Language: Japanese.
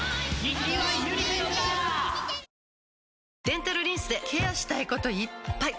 デンタルリンスでケアしたいこといっぱい！